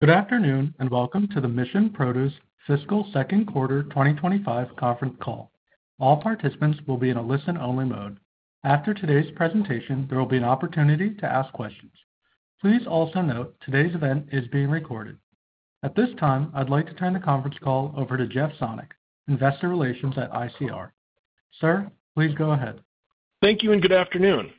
Good afternoon and welcome to the Mission Produce fiscal second quarter 2025 conference call. All participants will be in a listen-only mode. After today's presentation, there will be an opportunity to ask questions. Please also note today's event is being recorded. At this time, I'd like to turn the conference call over to Jeff Sonnek, Investor Relations at ICR. Sir, please go ahead. Thank you and good afternoon.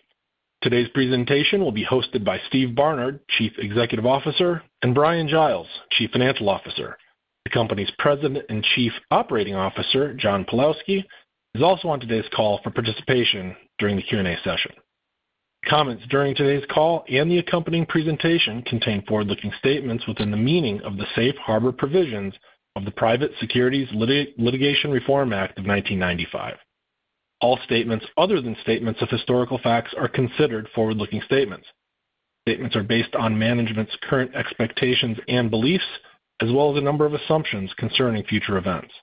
Today's presentation will be hosted by Steve Barnard, Chief Executive Officer, and Bryan Giles, Chief Financial Officer. The company's President and Chief Operating Officer, John Pawlowski, is also on today's call for participation during the Q and A session. Comments during today's call and the accompanying presentation contain forward looking statements within the meaning of the safe harbor provisions of the Private Securities Litigation Reform Act of 1995. All statements other than statements of historical facts are considered forward looking statements. Statements are based on management's current expectations and beliefs, as well as a number of assumptions concerning future events.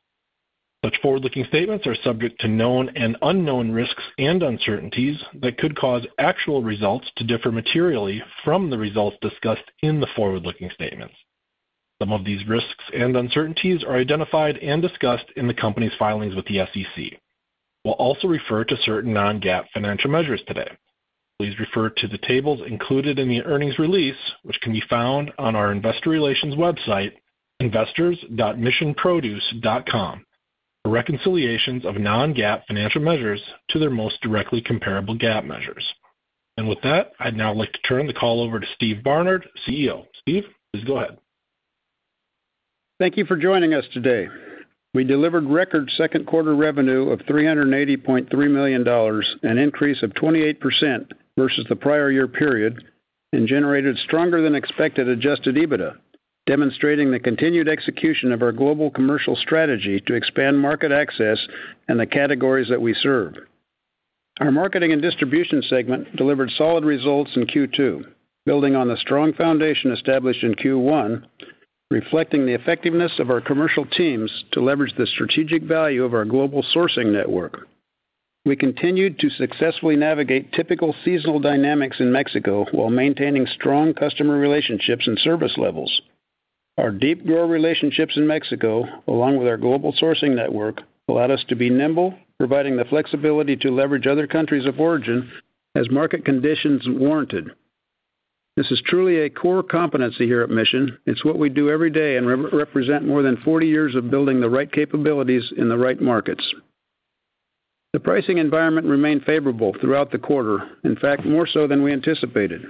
Such forward looking statements are subject to known and unknown risks and uncertainties that could cause actual results to differ materially from the results discussed in the forward looking statements. Some of these risks and uncertainties are identified and discussed in the company's filings with the SEC. We'll also refer to certain non-GAAP financial measures today. Please refer to the tables included in the earnings release which can be found on our investor relations website investors.missionproduce.com for reconciliations of non-GAAP financial measures to their most directly comparable GAAP measures. With that I'd now like to turn the call over to Steve Barnard, CEO. Steve, please go ahead. Thank you for joining us today. We delivered record second quarter revenue of $380.3 million, an increase of 28% versus the prior year period and generated stronger than expected adjusted EBITDA, demonstrating the continued execution of our global commercial strategy to expand market access and the categories that we serve. Our marketing and distribution segment delivered solid results in Q2, building on the strong foundation established in Q1, reflecting the effectiveness of our commercial teams to leverage the strategic value of our global sourcing network. We continued to successfully navigate typical seasonal dynamics in Mexico while maintaining strong customer relationships and service levels. Our deep grower relationships in Mexico along with our global sourcing network allowed us to be nimble, providing the flexibility to leverage other countries of origin as market conditions warranted. This is truly a core competency here at Mission. It's what we do every day and represent more than 40 years of building the right capabilities in the right markets. The pricing environment remained favorable throughout the quarter. In fact, more so than we anticipated,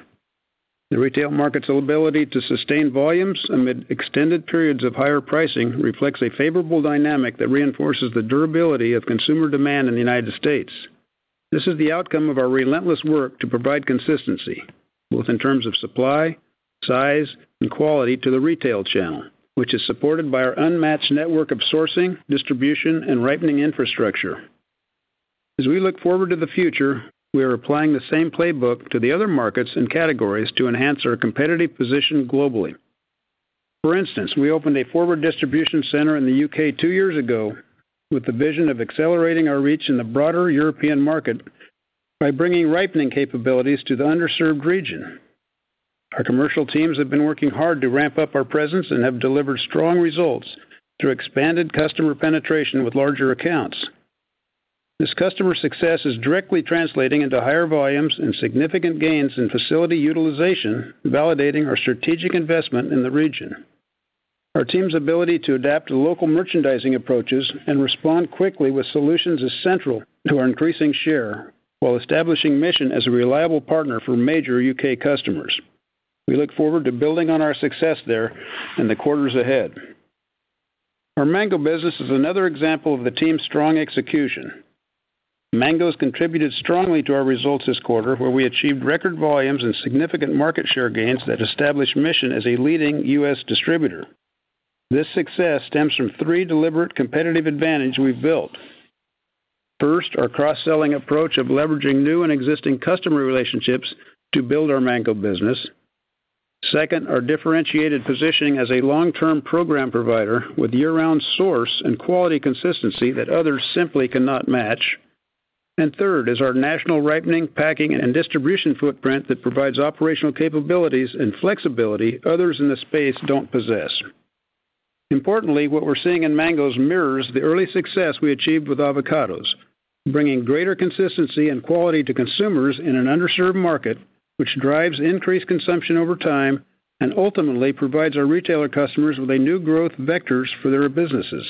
the retail market's ability to sustain volumes amid extended periods of higher pricing reflects a favorable dynamic that reinforces the durability of consumer demand in the United States. This is the outcome of our relentless work to provide consistency both in terms of supply size and quality to the retail channel, which is supported by our unmatched network of sourcing, distribution, and ripening infrastructure. As we look forward to the future, we are applying the same playbook to the other markets and categories to enhance our competitive position globally. For instance, we opened a forward distribution center in the U.K. two years ago with the vision of accelerating our reach in the broader European market by bringing ripening capabilities to the underserved region. Our commercial teams have been working hard to ramp up our presence and have delivered strong results through expanded customer penetration with larger accounts. This customer success is directly translating into higher volumes and significant gains in facility utilization, validating our strategic investment in the region. Our team's ability to adapt to local merchandising approaches and respond quickly with solutions is central to our increasing share while establishing Mission as a reliable partner for major U.K. customers. We look forward to building on our success there in the quarters ahead. Our mango business is another example of the team's strong execution. Mangoes contributed strongly to our results this quarter, where we achieved record volumes and significant market share gains that established Mission as a leading U.S. distributor. This success stems from three deliberate competitive advantages we have built. First, our cross-selling approach of leveraging new and existing customer relationships to build our mango business. Second, our differentiated positioning as a long-term program provider with year-round source and quality consistency that others simply cannot match. Third is our national ripening, packing, and distribution footprint that provides operational capabilities and flexibility others in the space do not possess. Importantly, what we are seeing in mangoes mirrors the early success we achieved with avocados, bringing greater consistency and quality to consumers in an underserved market, which drives increased consumption over time and ultimately provides our retailer customers with new growth vectors for their businesses.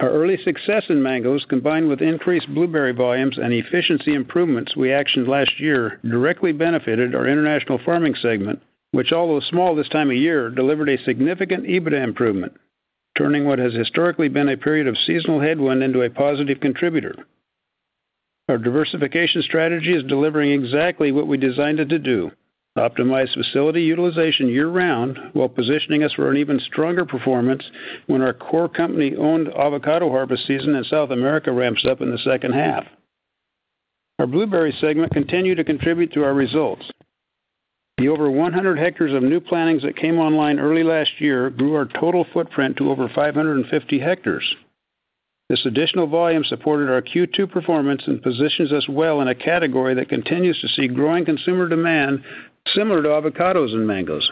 Our early success in mangoes combined with increased blueberry volumes and efficiency improvements we actioned last year directly benefited our international farming segment, which although small this time of year, delivered a significant EBITDA improvement, turning what has historically been a period of seasonal headwind into a positive contributor. Our diversification strategy is delivering exactly what we designed it to do: optimize facility utilization year round while positioning us for an even stronger performance when our core company owned avocado harvest season in South America ramps up in the second half. Our blueberries segment continued to contribute to our results. The over 100 hectares of new plantings that came online early last year grew our total footprint to over 550 hectares. This additional volume supported our Q2 performance and positions us well in a category that continues to see growing consumer demand. Similar to avocados and mangoes,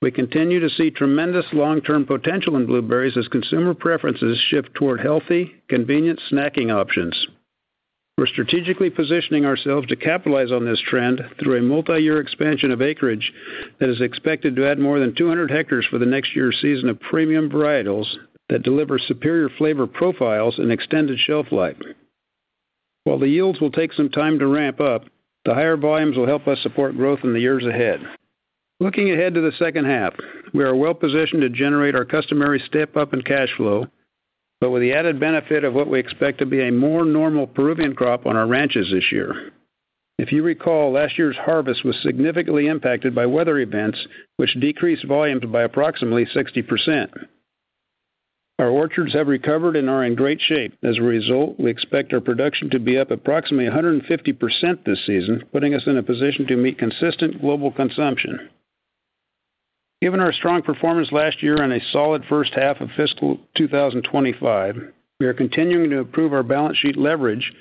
we continue to see tremendous long-term potential in blueberries as consumer preferences shift toward healthy, convenient snacking options. We're strategically positioning ourselves to capitalize on this trend through a multi-year expansion of acreage that is expected to add more than 200 hectares for the next year's season of premium varietals that deliver superior flavor profiles and extended shelf life. While the yields will take some time to ramp up, the higher volumes will help us support growth in the years ahead. Looking ahead to the second half, we are well positioned to generate our customary step up in cash flow, with the added benefit of what we expect to be a more normal Peruvian crop on our ranches this year. If you recall, last year's harvest was significantly impacted by weather events which decreased volumes by approximately 60%. Our orchards have recovered and are in great shape. As a result, we expect our production to be up approximately 150% this season, putting us in a position to meet consistent global consumption. Given our strong performance last year and a solid first half of fiscal 2025, we are continuing to improve our balance sheet leverage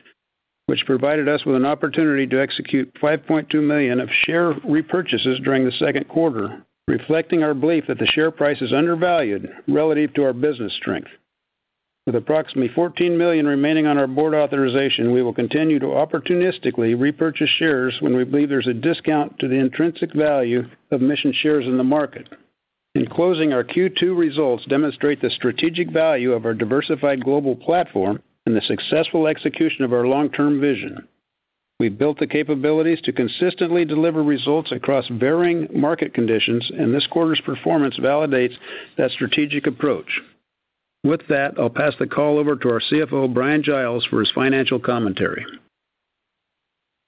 which provided us with an opportunity to execute $5.2 million of share repurchases during the second quarter, reflecting our belief that the share price is undervalued relative to our business strength. With approximately $14 million remaining on our board authorization, we will continue to opportunistically repurchase shares when we believe there's a discount to the intrinsic value of Mission shares in the market. In closing, our Q2 results demonstrate the strategic value of our diversified global platform and the successful execution of our long term vision. We built the capabilities to consistently deliver results across varying market conditions and this quarter's performance validates that strategic approach. With that, I'll pass the call over to our CFO Bryan Giles for his financial commentary.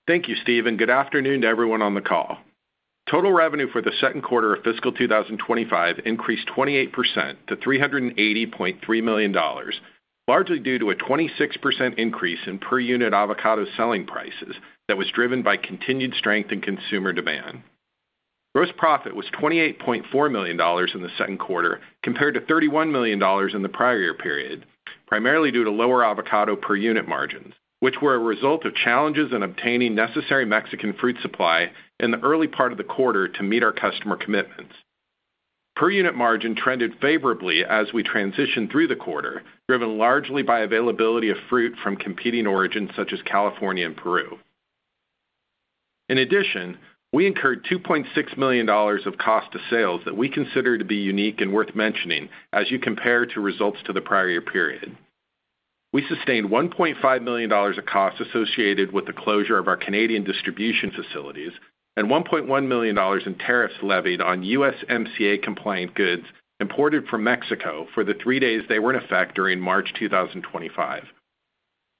Thank you Steve, and good afternoon to everyone on the call. Total revenue for the second quarter of fiscal 2025 increased 28% to $380.3 million, largely due to a 26% increase in per unit avocado selling prices that was driven by continued strength in consumer demand. Gross profit was $28.4 million in the second quarter compared to $31 million in the prior year period, primarily due to lower avocado per unit margins which were a result of challenges in obtaining necessary Mexican fruit supply in the early part of the quarter to meet our customer commitments. Per unit margin trended favorably as we transitioned through the quarter, driven largely by availability of fruit from competing origins such as California and Peru. In addition, we incurred $2.6 million of cost of sales that we consider to be unique and worth mentioning as you compare the results to the prior year period. We sustained $1.5 million of costs associated with the closure of our Canadian distribution facilities and $1.1 million in tariffs levied on USMCA compliant goods imported from Mexico for the three days they were in effect during March 2025.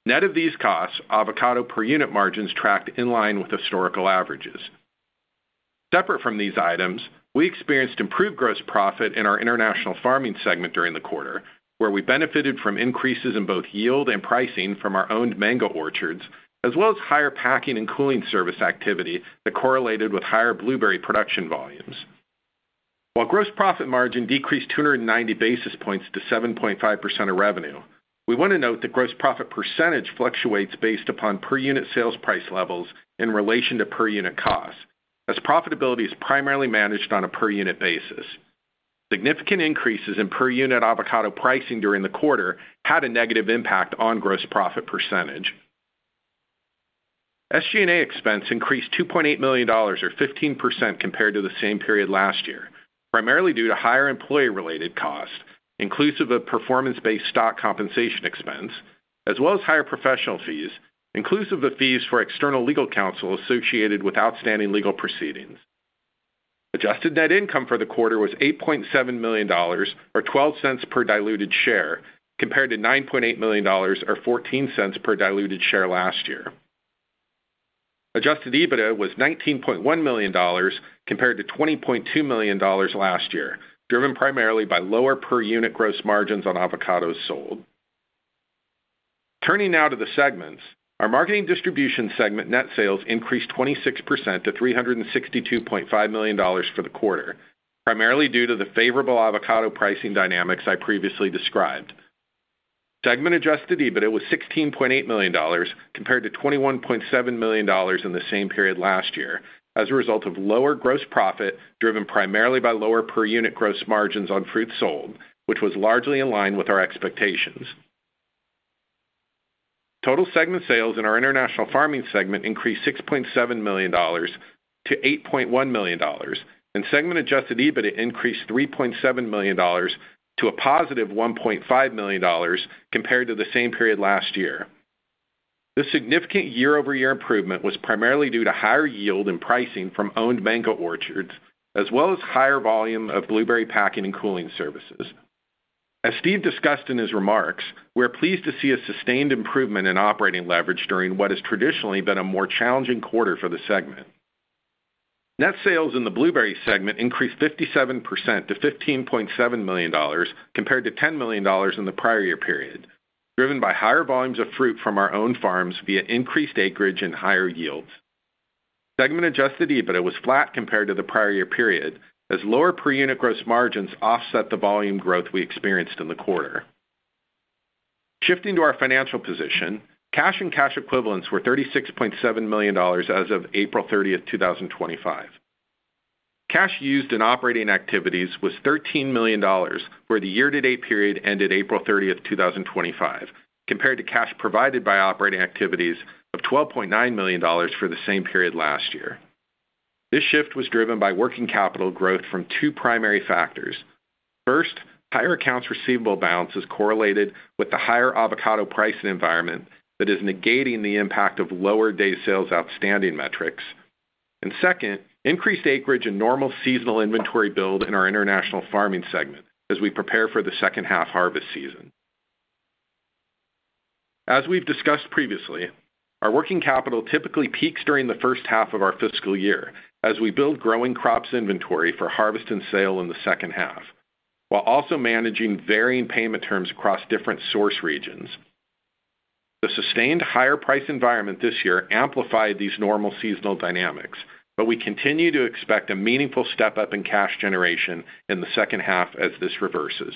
Net of these costs avocado per unit margins tracked in line with historical averages separate from these items. We experienced improved gross profit in our international farming segment during the quarter where we benefited from increases in both yield and pricing from our owned mango orchards as well as higher packing and cooling service activity that correlated with higher blueberry production volumes, while gross profit margin decreased 290 basis points to 7.5% of revenue. We want to note that gross profit percentage fluctuates based upon per unit sales price levels in relation to per unit cost as profitability is primarily managed on a per unit basis. Significant increases in per unit avocado pricing during the quarter had a negative impact on gross profit percentage. SG&A expense increased $2.8 million or 15% compared to the same period last year primarily due to higher employee related costs inclusive of performance based stock compensation expense as well as higher professional fees inclusive of fees for external legal counsel associated with outstanding legal proceedings. Adjusted net income for the quarter was $8.7 million or $0.12 per diluted share compared to $9.8 million or $0.14 per diluted share last year. Adjusted EBITDA was $19.1 million compared to $20.2 million last year, driven primarily by lower per unit gross margins on avocados sold. Turning now to the segments, our marketing distribution segment net sales increased 26% to $362.5 million for the quarter, primarily due to the favorable avocado pricing dynamics I previously described. Segment adjusted EBITDA was $16.8 million compared to $21.7 million in the same period last year as a result of lower gross profit driven primarily by lower per unit gross margins on fruit sold, which was largely in line with our expectations. Total segment sales in our international farming segment increased $6.7 million to $8.1 million and segment adjusted EBITDA increased $3.7 million to a positive $1.5 million compared to the same period last year. This significant year-over-year improvement was primarily due to higher yield and pricing from owned mango orchards as well as higher volume of blueberry packing and cooling services. As Steve discussed in his remarks, we are pleased to see a sustained improvement in operating leverage during what has traditionally been a more challenging quarter for the segment. Net sales in the Blueberry segment increased 57% to $15.7 million compared to $10 million in the prior year period, driven by higher volumes of fruit from our own farms via increased acreage and higher yields. Segment adjusted EBITDA was flat compared to the prior year period as lower per unit gross margins offset the volume growth we experienced in the quarter. Shifting to our financial position, cash and cash equivalents were $36.7 million as of April 30, 2025. Cash used in operating activities was $13 million for the year to date period ended April 30, 2025 compared to cash provided by operating activities of $12.9 million for the same period last year. This shift was driven by working capital growth from two primary factors. First, higher accounts receivable balances correlated with the higher avocado pricing environment that is negating the impact of lower day sales outstanding metrics, and second, increased acreage and normal seasonal inventory build in our international farming segment as we prepare for the second half harvest season. As we've discussed previously, our working capital typically peaks during the first half of our fiscal year as we build growing crops, inventory for harvest and sale in the second half while also managing varying payment terms across different source regions. The sustained higher price environment this year amplified these normal seasonal dynamics, but we continue to expect a meaningful step up in cash generation in the second half as this reverses.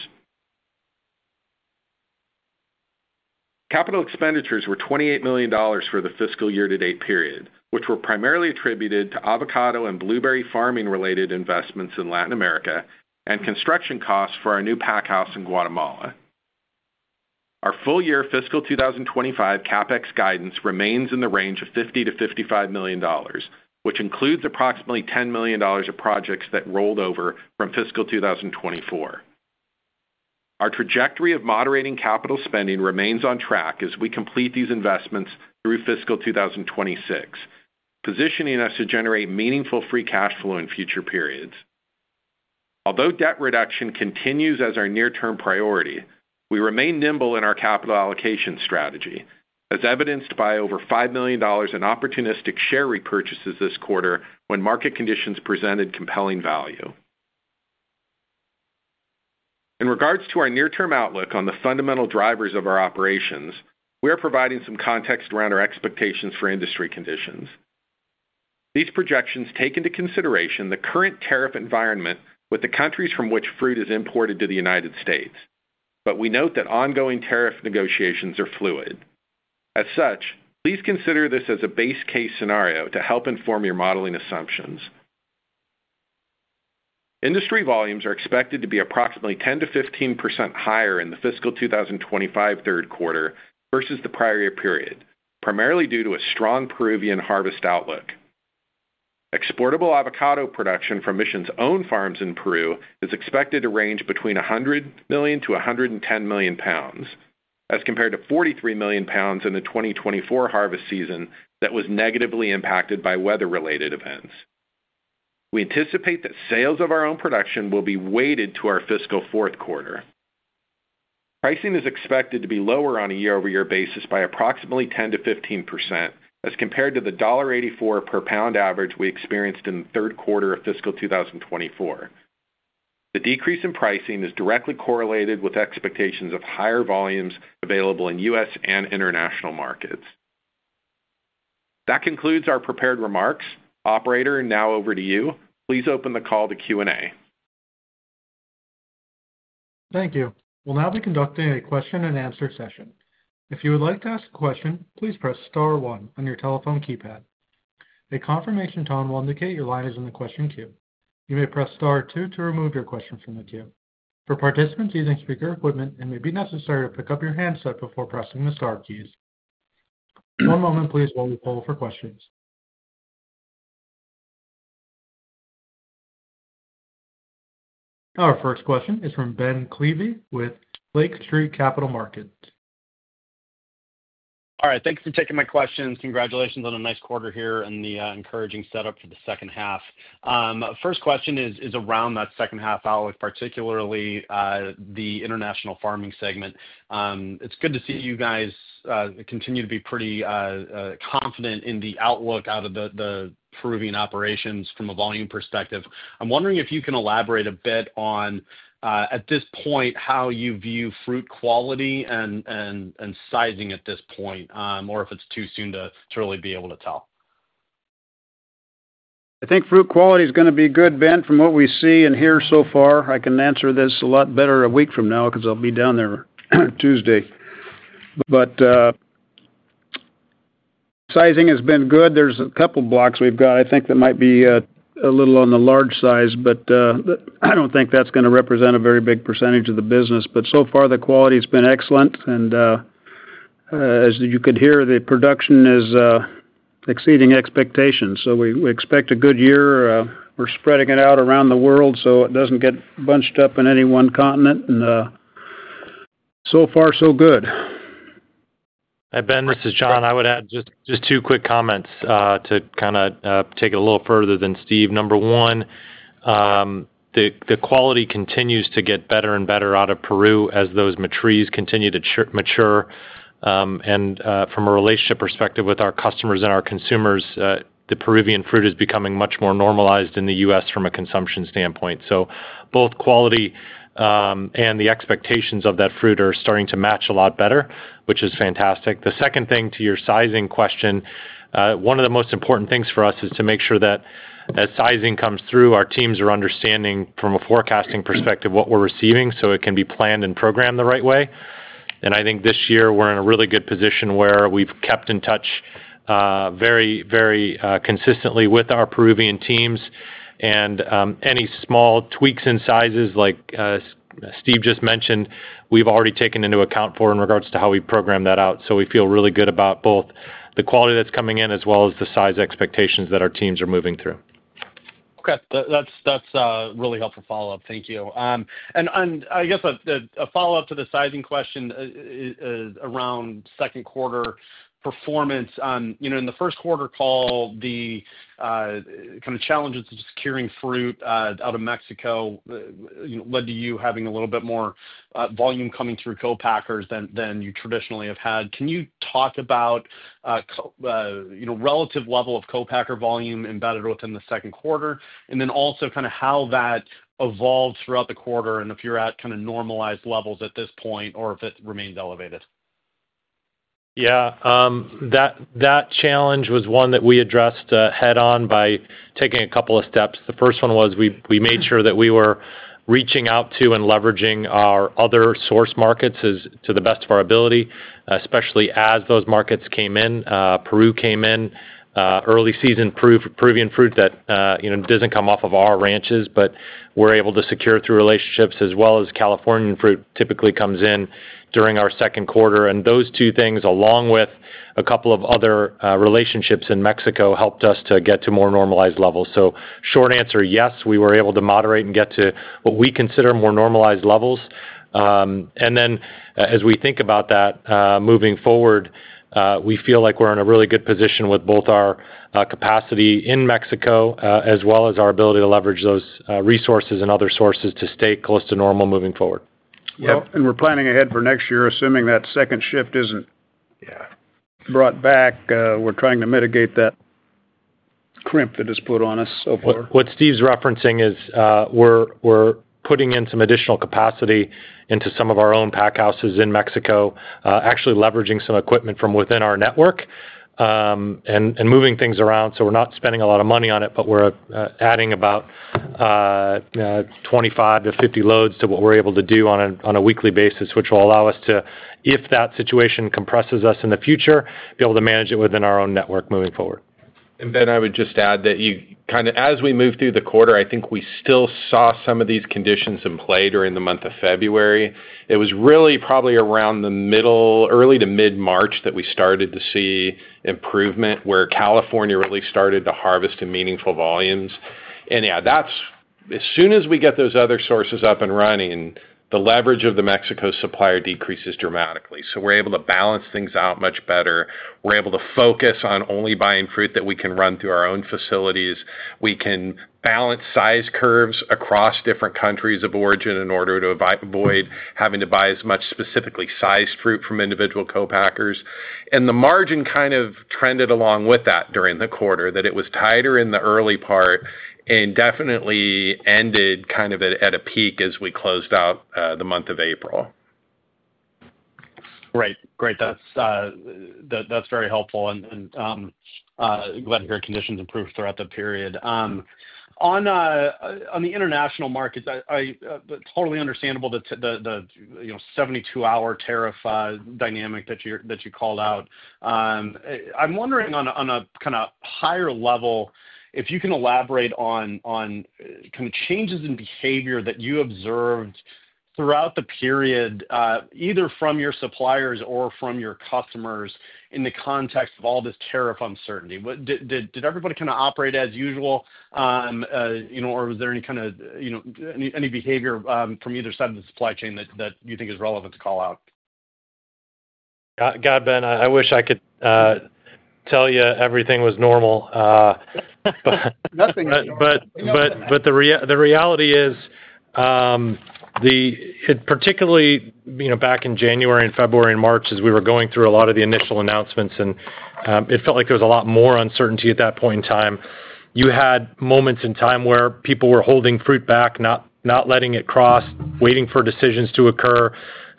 Capital expenditures were $28 million for the fiscal year to date period, which were primarily attributed to avocado and blueberry farming, related investments in Latin America and construction costs for our new pack house in Guatemala. Our full year fiscal 2025 CapEx guidance remains in the range of $50-$55 million, which includes approximately $10 million of projects that rolled over from fiscal 2024. Our trajectory of moderating capital spending remains on track as we complete these investments through fiscal 2026, positioning us to generate meaningful free cash flow in future periods. Although debt reduction continues as our near term priority, we remain nimble in our capital allocation strategy as evidenced by over $5 million in opportunistic share repurchases this quarter when market conditions presented compelling value. In regards to our near term outlook on the fundamental drivers of our operations, we are providing some context around our expectations for industry conditions. These projections take into consideration the current tariff environment with the countries from which fruit is imported to the United States, but we note that ongoing tariff negotiations are fluid as such. Please consider this as a base case scenario to help inform your modeling assumptions. Industry volumes are expected to be approximately 10-15% higher in the fiscal 2025 third quarter versus the prior year period, primarily due to a strong Peruvian harvest outlook. Exportable avocado production from Mission's own farms in Peru is expected to range between 100 million-110 million pounds as compared to 43 million pounds in the 2024 harvest season that was negatively impacted by weather related events. We anticipate that sales of our own production will be weighted to our fiscal fourth quarter. Pricing is expected to be lower on a year-over-year basis by approximately 10-15% as compared to the $1.84 per pound average we experienced in the third quarter of fiscal 2024. The decrease in pricing is directly correlated with expectations of higher volumes available in U.S. and international markets. That concludes our prepared remarks. Operator, now over to you. Please open the call to Q and A. Thank you. We'll now be conducting a question and answer session. If you would like to ask a question, please press star one on your telephone keypad. A confirmation tone will indicate your line is in the question queue. You may press star two to remove your question from the queue. For participants using speaker equipment, it may be necessary to pick up your handset before pressing the star keys. One moment please. While we poll for questions, our first question is from Ben Clevey with Lake Street Capital Markets. All right, thanks for taking my questions. Congratulations on a nice quarter here and the encouraging setup for the second half. First question is around that second half outlook, particularly the international farming segment. It's good to see you guys continue to be pretty confident in the outlook out of the Peruvian operations from a volume perspective. I'm wondering if you can elaborate a bit on at this point how you view fruit quality and sizing at this point, or if it's too soon to really be able to tell? I think fruit quality is going to be good. Ben, from what we see and hear so far, I can answer this a lot better a week from now because I'll be down there Tuesday. Sizing has been good. There's a couple blocks we've got, I think that might be a little on the large size, but I don't think that's going to represent a very big percentage of the business. So far the quality has been excellent and as you could hear, the production is exceeding expectations. We expect a good year. We're spreading it out around the world so it doesn't get bunched up in any one continent. So far so good. Hi Ben, this is John. I would add just two quick comments to kind of take it a little further than Steve. Number one, the quality continues to get better and better out of Peru as those matrice continue to mature. From a relationship perspective with our customers and our consumers, the Peruvian fruit is becoming much more normalized in the U.S. from a consumption standpoint. Both quality and the expectations of that fruit are starting to match a lot better, which is fantastic. The second thing to your sizing question, one of the most important things for us is to make sure that as sizing comes through, our teams are understanding from a forecasting perspective what we're receiving so it can be planned and programmed the right way. I think this year we're in a really good position where we've kept in touch very, very consistently with our Peruvian teams. Any small tweaks in sizes, like Steve just mentioned, we've already taken into account for in regards to how we program that out. We feel really good about both the quality that's coming in as well as the size expectations that our teams are moving through. Okay, that's really helpful follow up. Thank you. I guess a follow up to the sizing question around second quarter performance in the first quarter call. The kind of challenges of securing fruit out of Mexico led to you having a little bit more volume coming through co-packers than you traditionally have had. Can you talk about relative level of co-packer volume embedded within the second quarter and then also kind of how that evolved throughout the quarter and if you're at kind of normalized levels at this point or if it remains elevated? Yeah, that challenge was one that we addressed head on by taking a couple of steps. The first one was we made sure that we were reaching out to and leveraging our other source markets to the best of our ab, especially as those markets came in. Peru came in early season Peruvian fruit that does not come off of our ranches, but we are able to secure through relationships as well as Californian fruit typically comes in during our second quarter. Those two things along with a couple of other relationships in Mexico helped us to get to more normalized levels. Short answer, yes, we were able to moderate and get to what we consider more normalized levels. As we think about that moving forward, we feel like we're in a really good position with both our capacity in Mexico as well as our ability to leverage those resources and other sources to stay close to normal moving forward. We are planning ahead for next year, assuming that second shift is not brought back. We are trying to mitigate that crimp that has put on us so far. What Steve's referencing is we're putting in some additional capacity into some of our own pack houses in Mexico, actually leveraging some equipment from within our network and moving things around. We're not spending a lot of money on it, but we're adding about 25-50 loads to what we're able to do on a weekly basis, which will allow us to, if that situation compresses us in the future, be able to manage it within our own network moving forward. Ben, I would just add that you kind of, as we move through the quarter, I think we still saw. Some of these conditions in play during the month of February. It was really probably around the middle, early to mid March that we started to see improvement where California really started to harvest in meaningful volumes. Yeah, that's as soon as we get those other sources up and running, the leverage of the Mexico supplier decreases dramatically. We are able to balance things out much better. We are able to focus on only buying fruit that we can run through our own facilities. We can balance size curves across different countries of origin in order to avoid having to buy as much specifically sized fruit from individual co packers. The margin kind of trended along with that during the quarter that it was tighter in the early part and definitely ended kind of at a peak as we closed out the month of April. Great, great, that's very helpful and glad to hear. Conditions improved throughout the period on the international markets. Totally understandable that the 72 hour tariff dynamic that you called out. I'm wondering on a kind of higher level if you can elaborate on changes in behavior that you observed throughout the period either from your suppliers or from your customers. In the context of all this tariff uncertainty, did everybody kind of operate as usual or was there any kind of any behavior from either side of the supply chain that you think is relevant to call out? God, Ben, I wish I could tell you everything was normal. The reality is, particularly back in January and February and March as we were going through a lot of the initial announcements, it felt like there was a lot more uncertainty at that point in time. You had moments in time where people were holding fruit back, not letting it cross, waiting for decisions to occur,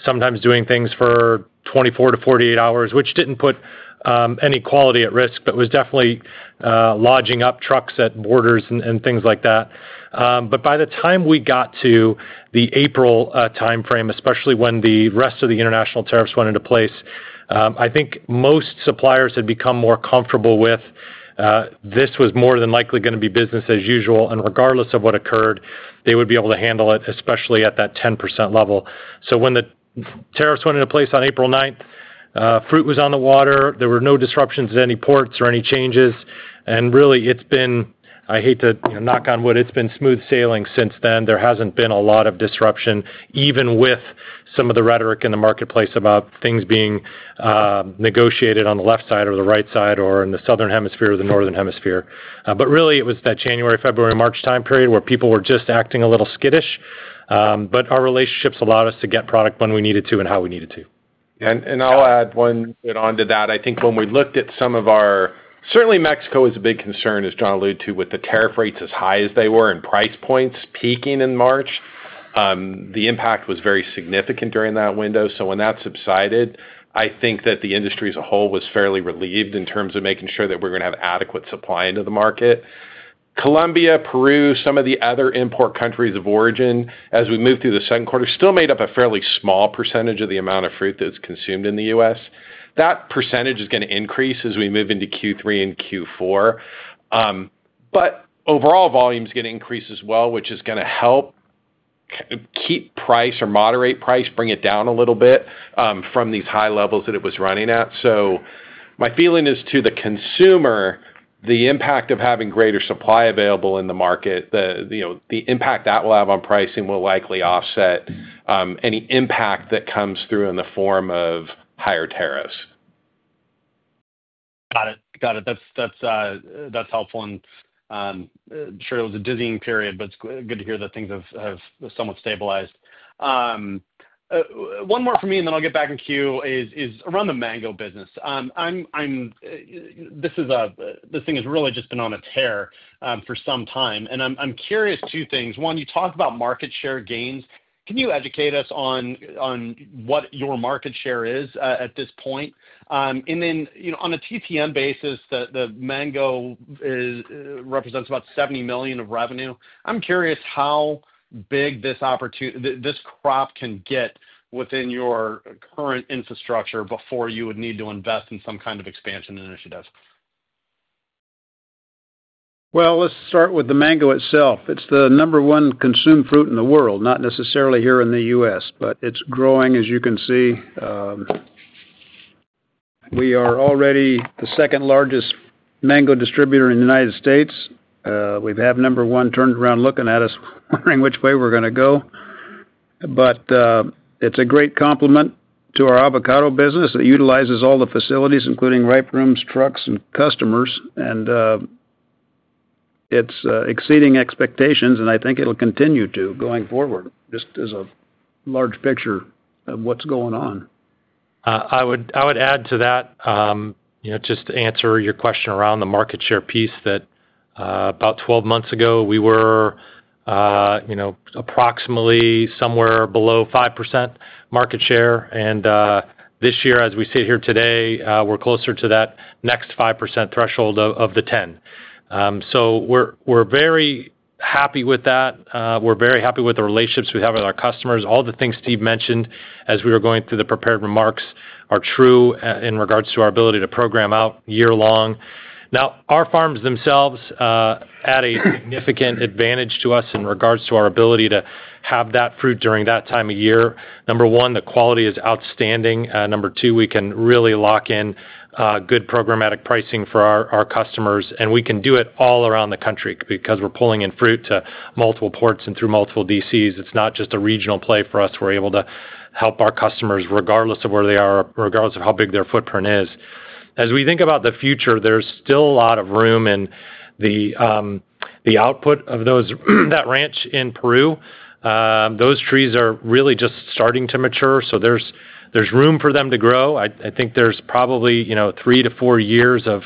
sometimes doing things for 24-48 hours, which did not put any quality at risk, but was definitely lodging up trucks at borders and things like that. By the time we got to the April timeframe, especially when the rest of the international tariffs went into place, I think most suppliers had become more comfortable with this was more than likely going to be business as usual, and regardless of what occurred, they would be able to handle it, especially at that 10% level. When the tariffs went into place on April 9, fruit was on the water. There were no disruptions in any ports or any changes. Really, it's been, I hate to knock on wood, it's been smooth sailing since then. There hasn't been a lot of disruption, even with some of the rhetoric in the marketplace about things being negotiated on the left side or the right side or in the Southern hemisphere or the Northern hemisphere. It was that January, February, March time period where people were just acting a little skittish. Our relationships allowed us to get product when we needed to and how we needed to. I'll add one bit onto that. I think when we looked at some of our, certainly Mexico is a big concern, as John alluded to, with the tariff rates as high as they were and price points peaking in March, the impact was very significant during that window. When that subsided, I think that the industry as a whole was fairly relieved in terms of making sure that we're going to have adequate supply into the market. Colombia, Peru, some of the other import countries of origin as we move through the second quarter, still made up a fairly small percentage of the amount of fruit that's consumed in the U.S. That percentage is going to increase as we move into Q3 and Q4, but overall volume is going to increase as well, which is going to help keep price or moderate price, bring it down a little bit from these high levels that it was running at. My feeling is to the consumer, the. Impact of having greater supply available in. The market, the impact that will have on pricing will likely offset any impact that comes through in the form of higher tariffs. Got it. That's helpful. I'm sure it was a dizzying period, but it's good to hear that things have somewhat stabilized. One more for me and then I'll get back in queue. Is around the mango business. This thing has really just been on a tear for some time and I'm curious. Two things. One, you talked about market share gains. Can you educate us on what your market share is at this point? Then on a TTM basis, the mango represents about $70 million of revenue. I'm curious how big this crop can get within your current infrastructure before you would need to invest in some kind of expansion initiative? Let's start with the mango itself. It's the number one consumed fruit in the world, not necessarily here in the U.S. but it's growing, growing. As you can see, we are already the second largest mango distributor in the United States. We have number one turned around looking at us, wondering which way we're going to go. It's a great complement to our avocado business that utilizes all the facilities including ripe rooms, trucks and customers. It's exceeding expectations and I think it will continue to going forward. Just as a large picture of what's going on, I would add to that. Just to answer your question around the market share piece, about 12 months ago we were approximately somewhere below 5% market share. This year as we sit here today, we're closer to that next 5% threshold of the 10%. We're very happy with that. We're very happy with the relationships we have with our customers. All the things Steve mentioned as we were going through the prepared remarks are true in regards to our ability to program out year long. Now our farms themselves add a significant advantage to us in regards to our ability to have that fruit during that time of year. Number one, the quality is outstanding. Number two, we can really lock in good programmatic pricing for our customers and we can do it all around the country because we're pulling in fruit to multiple ports and through multiple DCs. It's not just a regional play for us. We're able to help our customers regardless of where they are, regardless of how big their footprint is. As we think about the future, there's still a lot of room in the output of that ranch in Peru. Those trees are really just starting to mature, so there's room for them to grow. I think there's probably three to four years of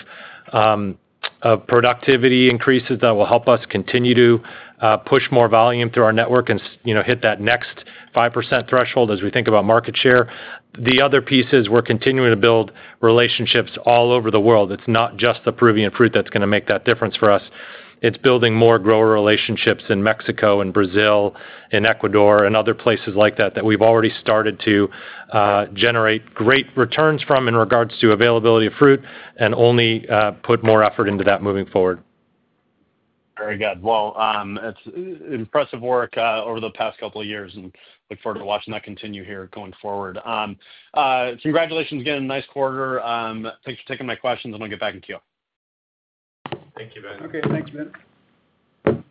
productivity increases that will help us continue to push more volume through our network and hit that next 5% threshold as we think about market share. The other piece is we're continuing to build relationships all over the world. It's not just the Peruvian fruit that's going to make that difference for us. It's building more grower relationships in Mexico and Brazil. In Ecuador and other places like that that we've already started to generate great returns from in regards to availability of fruit and only put more effort into that moving forward. Very good. It's impressive work over the past couple of years and look forward to watching that continue here going forward. Congratulations again. Nice quarter. Thanks for taking my questions and I'll get back in queue. Thank you. Okay, thanks, Ben.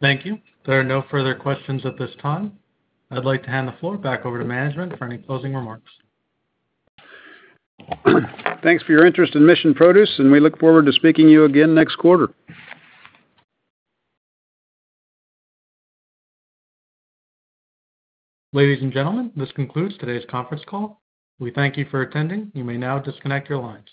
Thank you. There are no further questions at this time. I'd like to hand the floor back over to management for any closing remarks. thanks for your interest in Mission Produce and we look forward to speaking to you again next quarter. Ladies and gentlemen, this concludes today's conference call. We thank you for attending. You may now disconnect your lines.